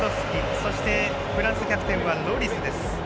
そして、フランスのキャプテンはロリスです。